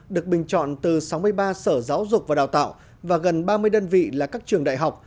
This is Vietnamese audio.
được bình chọn từ sáu mươi ba sở giáo dục và đào tạo và gần ba mươi đơn vị là các trường đại học